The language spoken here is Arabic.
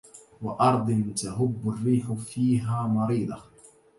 وأرض تهب الريح فيها مريضة